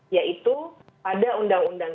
yaitu pada undang undang